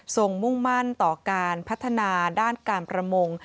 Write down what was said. มุ่งมั่นต่อการพัฒนาด้านการประมง